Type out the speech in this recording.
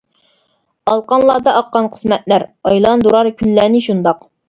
ئالىقانلاردا ئاققان قىسمەتلەر، ئايلاندۇرار كۈنلەرنى شۇنداق.